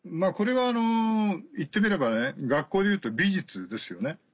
これは言ってみれば学校でいうと美術ですよね。